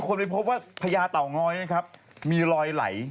เกือบทุกข์การออกรถตะรีน